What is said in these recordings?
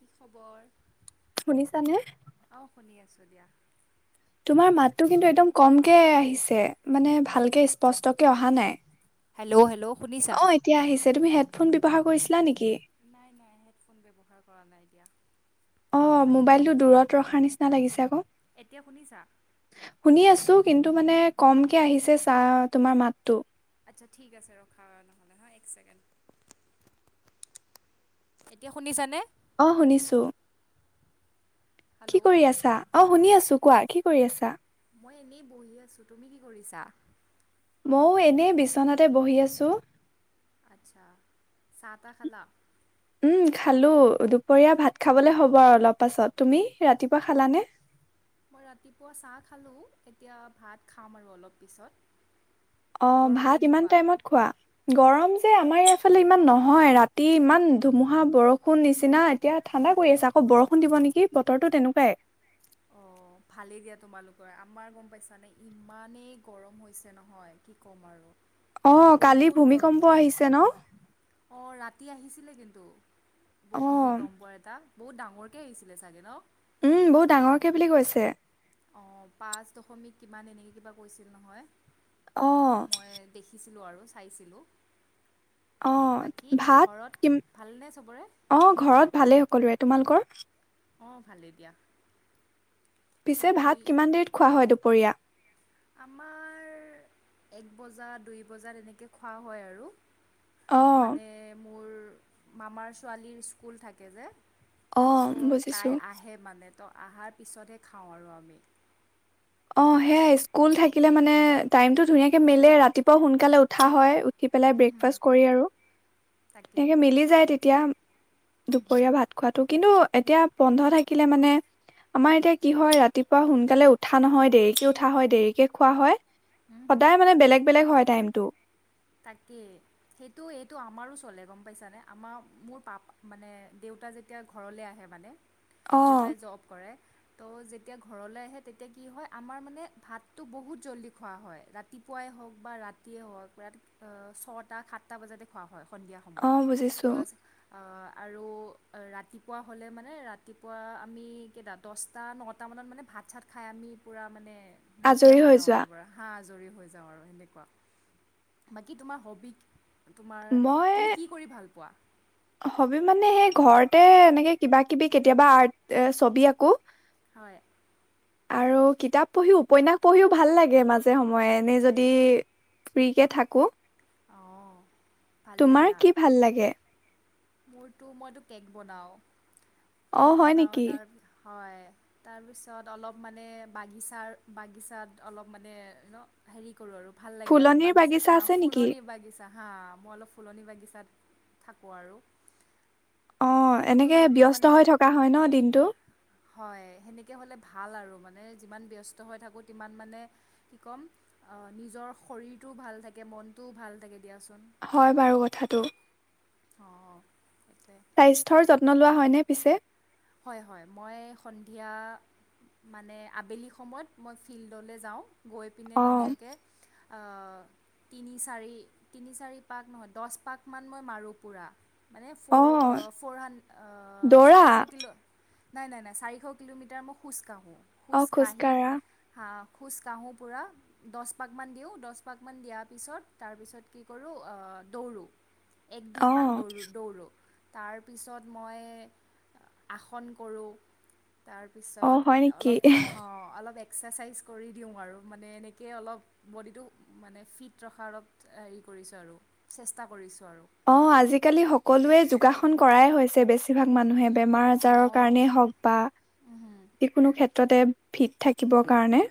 কি খবৰ? শুনিছা নে? অ শুনি আছোঁ দিয়া। তোমাৰ মাতটো কিন্তু একদম কমকে আহিছে মানে ভালকে স্পষ্টকে অহা নাই। হেল্ল' হেলল' অ', এতিয়া আহিছে। তুমি, হেডফোন ব্যৱহাৰ কৰিছিনে নাই-নাই হেডফোন ব্যৱহাৰ কৰা নাই এতিয়া অ বাকী মোবাইলটো দূৰত ৰখাৰ নিচিনা লাগিছে আকৌ। এতিয়া শুনিছা। শুনি আছো কিন্তু মানে কমকে আহিছে চাহ তোমাৰ মাতটো। আচ্ছা ঠিক আছে ৰখা নহলে একচেণ্ড এতিয়া শুনিছানে? অ শুনিছো। কি হেল্ল' কৰি আছা? অ', শুনি আছো। তোৰ কোৱা কি কৰি আছা? মই এনেই বহি আছোঁ। তুমি কি কৰিছা? মইো এনেই বিচনাতে বহি আছোঁ আচ্ছা চাহ তা খালা উম খালো দুপৰীয়া ভাত খাবলে হ'ব আৰু অলপ পাছত তুমি ৰাতিপুৱা খালানে মই ৰাতিপুৱা চাহ খালো এতিয়া ভাত খাম আৰু অলপ পিছত অ গৰম ভাত ইমান কেনেকুৱা? টাইমত খোৱা গৰম আমাৰ ইয়াৰফালে ইমান নহয় ৰাতি ইমান ধুমুহা বৰষুণ নিচিনা এতিয়া ঠাণ্ডা কৰি আছে আকৌ বৰষুণ দিব নেকি বতৰটো তেনেকুৱাই অ ভালেই দিয়া তোমালোকৰ আমাৰ গম পাইছানে ইমানেই গৰম হৈছে নহয় কি ক'ম আৰু অ কালি বহুত গৰম ভূমিকম্প হৈছে। আহিছে ন অঁ ৰাতি আহিছিলে কিন্তু অ', ভুমিকম্প কম প এটা বহুত ডাঙৰকৈ আহিছিলে ছাগৈ ন উম বহুত ডাঙৰকে বুলি কৈছে অঁ পাঁচ দশমিক কিমান এনেকৈ কিবা কৈছিল নহয় অ', মই দেখিছো আৰু চাইছিলোঁ অ বাকী ভাত ঘৰত কি ভালনে চবৰে অ ঘৰত ভালেই সকলোৰে তোমালোকৰ চিক অ ভালেই দিয়া পিছে বাকী ভাত কিমান দেৰিত খোৱা হয় দুপৰীয়া- আমাৰ এক বজা দুই বজাত তেনেকৈ খোৱা হয় আৰু অ', মানে মোৰ মামাৰ ছোৱালীৰ স্কুল থাকে যে অ', ত' বুজিছোঁ। তাই আহে মানে ত অহাৰ পিছতহে খাওঁ আৰু আমি অ', সেয়াই স্কুল থাকিলে মানে টাইমতটো ধুনীয়াকে মিলে ৰাতিপুৱা সোনকালে উঠা হয়। আহি পেলাই উম, ব্ৰেকফাষ্ট কৰি আৰু তাকে তেনেকে মিলি যায় তেতিয়া দুপৰীয়া ভাত খোৱাটো কিন্তু এতিয়া বন্ধ থাকিলে মানে আমাৰ এতিয়া কি হয় ৰাতিপুৱা সোনকালে উঠ উঠা নহয় দেৰিকৈ উঠা হয় দেৰিকৈ খোৱা হয়। উম, সদায় মানে বেলেগ বেলেগ হয়। টাইমটো তাকেই সেইটো এইটো আমাৰো চলে গম পাইছানে আমাৰ মোৰ পাপ মানে দেউতা যেতিয়া ঘৰলে আহে মানে অ দেউতাই জব কৰে। ত' যেতিয়া ঘৰলৈ আহে তেতিয়া কি হয় আমাৰ মানে ভাতটো বহুত জলদি খোৱা হয় ৰাতিপুৱাই হক বা ৰাতিয়ে হওক ৰা ছটা সাতটা বজাতে খোৱা হয়। সন্ধিয়া অ সময়ত বুজিছো বা আৰু ৰাতিপুৱা হ'লে মানে ৰাতিপুৱা আমি কেইটা দহটা নটা মানত মানে ভাত চাত খাই আমি পূৰা মানে নাইকিয়া আজৰি হৈ যাওঁ যোৱা আৰু পৰা হা আজৰি হৈ যাওঁ আৰু সেনেকুৱা বাকী তোমাৰ হবি কি? তোমাৰ মই তুমি কৰি ভাল পোৱা হবি মানে সেই ঘৰতে এনেকে কিবা কিবি কেতিয়াবা আৰ্ট ছবি আকো। হয়। আৰু কিতাপ পঢ়ি উপন্যাস পঢ়িও ভাল লাগে মাজে সময়ে এনে যদি ফ্ৰীকে থাকো। অঁ ভালেই তোমাৰ দিয়া কি ভাল লাগে। মোৰতো মইটো কেক বনাওঁ। অ কেক হয় বনাওঁ নেকি তাৰ হয় তাৰপিছত অলপ মানে বাগিচাৰ বাগিচাত অলপ মানে ন হেৰি কৰোঁ আৰু ভাল লাগে আৰু ফুলনিৰ বাগিচা আছে নেকি ফুলনি বাগিচা। হা মই অলপ ফুলনি বাগিচাত থাকোঁ আৰু অ', নতুন এনেকে নতুন ব্যস্ত হৈ মানে থকা হয় ন দিনটো হয় সেনেকৈ হ'লে ভাল আৰু মানে যিমান ব্যস্ত হৈ থাকোঁ সিমান মানে কি ক'ম নিজৰ শৰীৰটোও ভাল থাকে মন মনতো ভাল থাকে দিয়াচোন। হয় বাৰু কথাটো অ', স্বাস্থ্যৰ যত্ন লোৱা হয়নে। পিছে হয় হয় মই সন্ধিয়া মানে আবেলি সময়ত মই ফিল্ডলৈ যাওঁ গৈ পিনে অ', ধুনীয়াকৈ তিনি চাৰি তিনি চাৰি পাক নহয় দহ পাকমান মই মাৰোঁ পুৰা। মানে ফ'ৰ অ', ফ'ৰ হান দৌৰা চাৰিশ কিলো। নাই নাই নাই চাৰিশ কিলোমিটাৰ মই খোজকাঢ়ি খোজ অ', কাৰি খোজকাঢ়া হা খোজকাঢ়োঁ পূৰা দহ পাকমান দিওঁ দহ পাকমান দিয়াৰ পিছত তাৰপিছত কি কৰোঁ দৌৰোঁ এক দুই পাক অ', দৌ দৌৰো তাৰপিছত মই আসন কৰোঁ অ', তাৰপিছত হয় নেকি অলপ অ অলপ এক্সাৰচাইজ কৰি দিওঁ আৰু মানে এনেকৈ অলপ বডিটো মানে ফিট ৰখাৰ অলপ হেৰি কৰিছোঁ আৰু চেষ্টা কৰিছোঁ আৰু অ আজিকালি সকলোৱে যোগাস কৰাই হৈছে বেছিভাগ মানুহে বেমাৰ আজাৰৰ অঁ কাৰণেই হওক বা উমহু। যিকোনো ক্ষেত্ৰতে ফিট থাকিব কাৰণে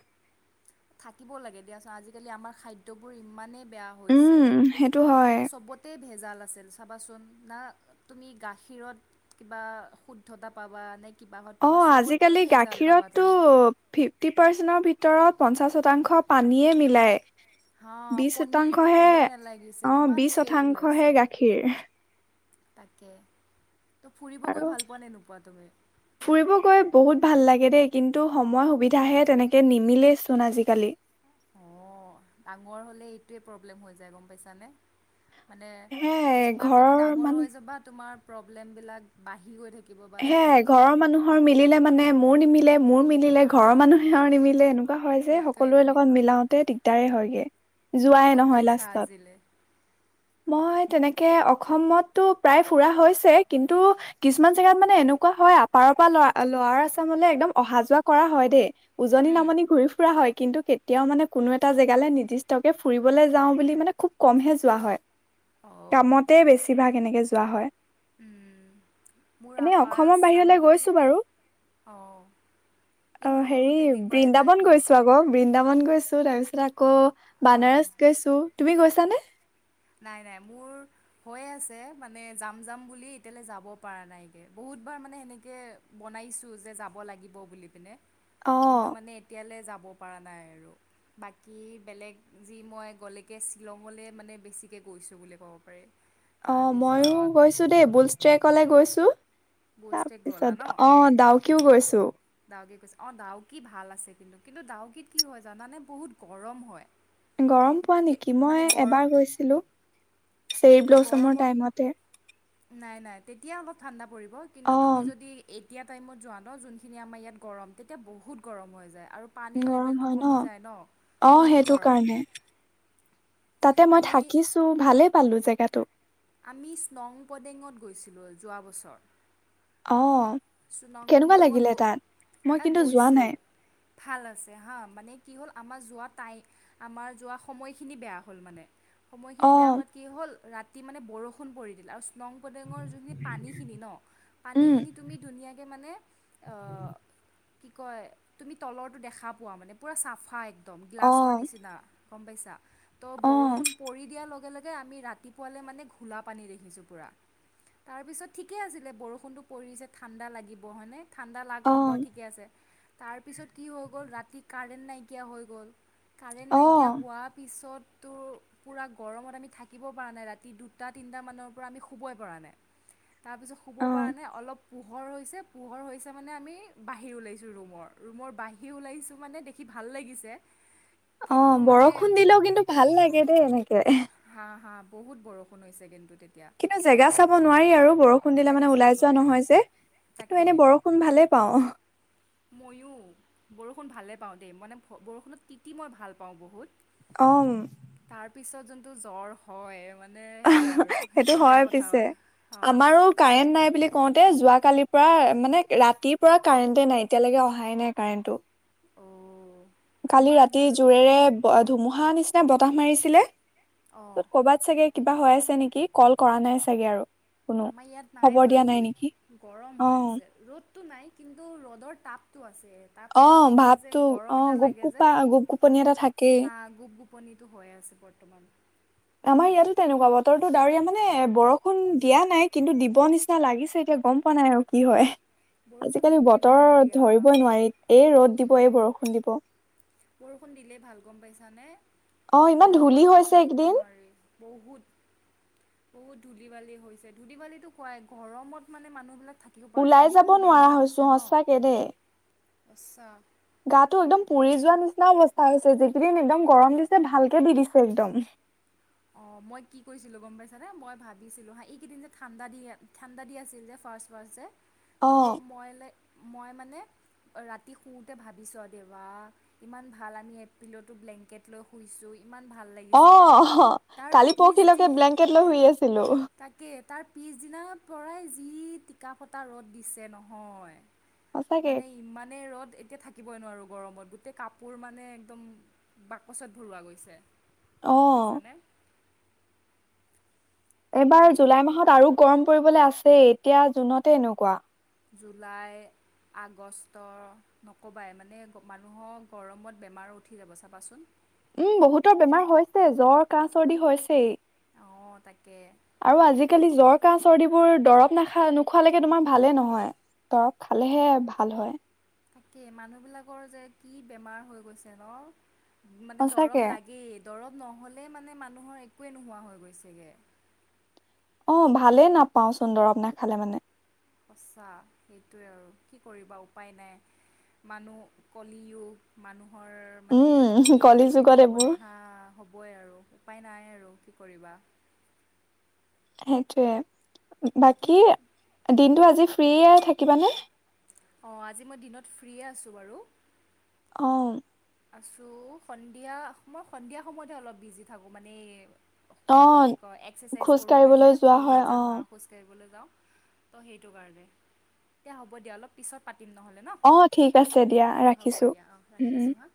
থাকিব লাগে দিয়া আজিকালি আমাৰ খাদ্যবোৰ ইমানেই বেয়া হৈছে উম, সেইটো হয় মানে চবতে ভেজাল আছিল চাবাচোন না তুমি গাখীৰত কিবা শুদ্ধতা পাবা নে কিবাহত অ পাবা চবতেই আজিকালি ভেজাল পাবা গাখীৰতটো তুমি ফিফটি পাৰ্চেন্ট ভিতৰত ভিতৰত পঞ্চাছ শতাংশ পানীয়ে মিলায় হা পনিৰতটো কবই নালাগিছে অ কিমান বিশ ফেক শতাংশহে ওলাইছে। গাখীৰ তাকে ত' ফুৰিব গৈ আৰু ভাল পোৱা নে নোপোৱা তুমি? ফুৰিব গৈ বহুত ভাল লাগে দিয়ে দেই কিন্তু সময় সুবিধাহে তেনেকে নিমিলেইচোন আজিকালি অ ডাঙৰ হলে এইটোৱেই প্ৰব্লেম হৈ যায় গম পাইছানে মানে সেয়াই যিমান তুমি ঘৰৰ ডাঙৰ মানুহ হৈ যাবা তোমাৰ প্ৰব্লেমবিলাক বাঢ়ি গৈ থাকিব বা সেয়াই ছাপ'জ ঘৰৰ মানুহৰ মিলিলে মানে মোৰ নিমিলে মোৰ মিলিলে হা ঘৰৰ মানুহৰ নিমিলে এনেকুৱা হয় যে সেইটোৱে সকলোৰে লগত তেনেকুৱা। মিলাওতে দিগদাৰে হয়গে ক'ত যোৱাই ক'ত নহয় গৈছা লাষ্টত আজিলে? মই তেনেকে অসমতটো প্ৰায় ফুৰা হৈছে কিন্তু কিছুমান জেগাত মানে এনেকুৱা হয় আপাৰৰ পৰা ল'ৰা ল'ৰা আছে মলে একদম অহা যোৱা কৰা হয় দেই উজনি উম। নামনি ঘূৰি ফুৰা হয় কিন্তু কেতিয়াও মানে কোনো এটা জেগালে নিৰ্দিষ্টকে ফুৰিবলৈ যাওঁ বুলি মানে খুব কমহে যোৱা হয় অ' কামতে বেছি ভাগ কেনেকে যোৱা হয় উম মোৰ এনে আপাৰ অসমৰ বাহিৰলৈ আছামৰ গৈছো বাৰু। অ' এই অহ মোৰো হেৰি তেনেকুৱা এটা বৃন্দাবন কি গৈছো আকৌ বৃন্দাবন গৈছো। [unintelligible] আকৌ অ' বানাৰস গৈছো। তুমি গৈছানে? নাই নাই মোৰ হৈ আছে মানে যাম যাম বুলি এতিয়ালৈ যাব পৰা নাইকে বহুতবাৰ মানে সেনেকে বনাইছোঁ যে যাব লাগিব বুলি পিনে। অ কিন্তু মানে এতিয়ালৈ যাব যাব‌ পৰা নাই আৰু বাকী বেলেগ যি মই গলেগে শ্বিলং মানে বেছি গৈছোঁ বুলি কব পাৰি। অ ময়ো তাৰপিছত গৈছো দেই, বুলষ্ট্ৰেকলে গৈছো। বুলষ্টেক গলা তাৰপিছত ন। অ' ডাউকিও গৈছো। ডাউকে কৈছে অ ডাউকি ভাল আছে। কিন্তু কিন্তু ডাউকীত কি হয় জানানে বহুত গৰম হয় গৰম পোৱা কে- নেকি, মই মানে গৰম এবাৰ গৈছিলো। সেৰিব্লচমৰ গৰমৰ টাইমতে। নাই নাই তেতিয়া অলপ ঠাণ্ডা পৰিব কিন্তু তুমি অ' যদি এই এতিয়া টাইমত যোৱা ন যোনখিনি আমাৰ ইয়াত গৰম তেতিয়া বহুত গৰম হৈ যায়‌। গৰম হয় ন অ বহুত সেইটো গৰম কাৰণে তাতে মই আমি থাকিছো ভালে পালো জেগ গাটো আমি স্নংপডেঙত গৈছিলোঁ যোৱা বছৰ। অ' কেনেকুৱা চুনাংপুদাঙত লাগিলে গৈ তাত? মই তাত কিন্তু যোৱা গৈছো নাই। ভাল আছে হা মানে কি হ'ল আমাৰ যোৱা টাই আমাৰ যোৱা সময়খিনি বেয়া হ'ল মানে। সময়খিনি বেয়া অ' হোৱাত কি হ'ল ৰা ৰাতি মানে বৰষুণ পৰি দিলে আৰু নংপদেঙৰ যোনখিনি পানীখিনি ন পানীখিনি ধুনীয়াকৈ মানে উম কি কয় তুমি তলৰটো দেখা পোৱা মানে পুৰা চাফা এক একদম গ্লাছৰ অ' নিচিনা। গম পাইছা ত' অ' বৰষুণ পৰি দিয়াৰ লগে লগে কে আমি ৰাতিপুৱালে মানে ঘোলা পানী দেখিছোগে পোৰা তাৰ পিছত ঠিকে আছিলে বৰষুণতো পৰিছে ঠাণ্ডা লাগিব হয়নে? ঠাণ্ডা লাগক বাৰু অ' ঠিকে আছে তাৰপিছত কি হৈ গ'ল ৰাতি কাৰেণ্ট নাইকিয়া হৈ গ'ল কাৰেণ্ট নাইকিয়া অ' হোৱাৰ পিছত টো পূৰা গৰমত আমি থাকিব পৰা নাই ৰাতি দুটা তিনিটা মানৰ পৰা আমি শুবই পৰা নাই তাৰপিছত শুব অ' পৰা নাই অলপ পোহৰ হৈছে পোহৰ হৈছে মানে আমি বাঁহিৰ ওলাইছোঁ ৰুমৰ ৰুমৰ বাহিৰ ওলাইছোঁ মানে দেখি ভাল লাগিছে। অ কিন্তু মানে বৰষুণ দিলেও কিন্তু ভাল লাগে দেই এনেকে হা হা বহুত বৰষুণ হৈছে গেণ্টো কিন্তু জেগা চাব নোৱাৰি আৰু বৰষুণ দিলে জেগা মানে চাব ওলাই যোৱা নোৱাৰে নহয় যে, কিন্তু তাকে এনে বৰষুণ ভালেই পাও অ ময়ো বৰষুণ ভালেই পাওঁ দেই মানে বৰষুণত তিতি মই ভাল পাওঁ বহুত অম পিছত যোনটো জ্বৰ হয় মানে সেইটোৱে আৰু সেইটো বেয়া হয় কথা পিছে অঁ আমাৰো কাৰেণ্ট নাই বুলি কওঁতে যোৱা কালি অঁ মানে ৰাতিৰ পৰা কাৰেণ্টেটে নাই এতিয়ালৈকে অহাই নাই কাৰেণ্টটো অ কালি ৰাতি জোৰেৰে ধুমুহা নিচিনা বতাহ মাৰিছিলে অঁ ক'বাত চাগে কিবা হৈ আছে নেকি কল কৰা নাই চাগে আৰু কোনো। আমাৰ ইয়াত নাই খবৰ দিয়া নেকি? বাৰু গৰম হৈ অ', আছে ৰ'দ টো নাই কিন্তু ৰ'দৰ টাপ টো আছে তাপটো অ নহয় পিনে যে ভাৱটো গৰম অ এটা লাগে যে গোপগোপা গোপগোপনি এটা থাকেই টোপনি তো হৈ আছে বৰ্তমান আমাৰ সেইটোৱে ইয়াতো তেনেকুৱা বতৰটো ডাৱৰীয়া মানে এ বৰষুণ দিয়া নাই কিন্তু দিব নিচিনা লাগিছে এতিয়া গম পোৱা নাই আৰু কি হয় বৰষুণ আজিকালি দিলেই বতৰ ভাল দিয়া ধৰিবই নোৱাৰি এই ৰ'দ দিব এই উম, বৰষুণ দিব বৰষুণ দিলেই ভাল গম পাইছানে অ ইমান গৰমত ধূলি মানে হৈছে থাকিব এইকেইদিন নোৱাৰি বহুত বহুত ধূলি বালি হৈছে, ধূলি বালিতো হয় গৰমত মানে মানুহবিলাক থাকিব পাৰে পাই যাব নোৱাৰা হৈছো সচাকে দেই আচ্ছা গাটো একদম পুৰি যোৱা নিচিনা অৱস্থা হৈছে, যিকেইদিন একদম গৰম দিছে ভালকে দি দিছে একদম অ মই কি কৰিছিলো গম পাইছা নে? মই ভাবিছিলো হা এইকেইদিন যে ঠাণ্ডা দি ঠাণ্ডা দি আছিল যে ফাৰ্ষ্ট ফাৰ্ষ্ট যে অ তো মইলে মই মানে ৰাতি শুওঁতে ভাবিছোঁ আৰু দেৱা ইমান ভাল আমি এপ্ৰিলতো ব্লেংকেট লৈ শুইছোঁ ইমান ভাল অ লাগিছে তাৰ কালি পৰহি পিছদি লৈকে ব্লেংকেট লৈ শুই আছিলো তাকে তাৰ পিছদিনাৰ পৰাই যি টিকা ফটা ৰ'দ দিছে নহয় সঁচাকে মানে ইমানে ৰদ এতিয়া থাকে শিকিব নোৱাৰো গৰমত গোটেই কাপোৰ মানে একদম বাকচত ভৰোৱা গৈছে অ গম পাইছানে এইবাৰ বাকী জুলাই মাহত আৰু গৰম পৰিবলৈ আছে এতিয়া জুনতে এনেকুৱা জুলাই আগষ্ট নক'বাই মানে মানুহৰ গৰমত বেমাৰ উঠি যাব চাবাচোন উম বহুতৰ বেমাৰ হৈছে জ্বৰ কাহ চৰ্দি হৈছেই অ তাকে আৰু আজিকালি জ্বৰ কাহ চৰ্দিবোৰ দৰব নাখা নোখোৱালৈকে তোমাৰ ভালে নহয় দৰৱ খালেহে ভাল হয় তাকেই মানুহ বিলাকৰ যে কি বেমাৰ হৈ গৈছে ন মানে দৰব সঁচাকে লাগেই দৰৱ নহ'লেই মানে মানুহৰ একোৱেই নোহোৱা হৈ গৈছেগৈ। অ ভালে নাপাওঁ চোন দৰৱ নাখালে মানে। সঁচা সেইটোৱে আৰু কি কৰিবা উপায় নাই মানুহ [unintelligible] মানুহ ৰ মানে উম এনেকেইতো কলি হেৰি যুগত হ'ব এইবোৰ ল হা হ'বই আৰু। উপায় নাই আৰু কি কৰিবা। সেইটোৱে। বাকী দিনটো আজি। ফ্ৰী থাকিবানে? অ আজি মই দিনত ফ্ৰী আছো বাৰু। অ। আছো সন্ধিয়া মই সন্ধিয়া সময়তহে অলপ বিজি থাকো মানে। অ কি কয় এক্সাৰচাইজ খোজ কৰোগৈ যে কাঢ়িবলৈ যোৱা হয় ফিল্ডত অ যাওঁ হা খোজ কাঢ়িবলৈ যাওঁ। সেইটো কাৰণে দিয়া হ'ব দিয়া অলপ পিছত পা। অ ঠিক আছে দিয়া হ'ব ৰাখিছো দিয়া অঁ উম। ৰাখিছোঁ হাঁ